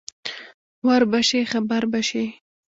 ور به شې خبر به شې.